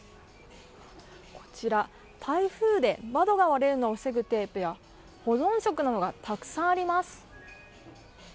こちら、台風で窓が割れるのを防ぐテープや保存食などがたくさんあります。